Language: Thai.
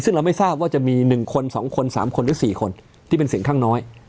ซึ่งเราไม่ทราบว่าจะมี๑คน๒คน๓คนหรือ๔คนที่เป็นเสียงข้างน้อย